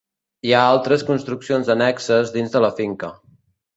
Hi ha altres construccions annexes dins de la finca.